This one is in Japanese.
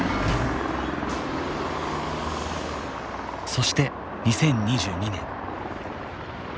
そして２０２２年。